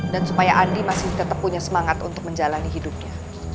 dan supaya andi masih tetep punya semangat untuk menjalani hidupnya